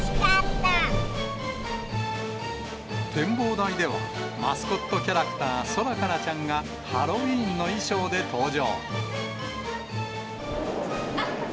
展望台では、マスコットキャラクター、ソラカラちゃんが、ハロウィーンの衣装で登場。